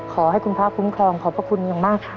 ขอให้คุณพระคุ้มครองขอบพระคุณอย่างมากค่ะ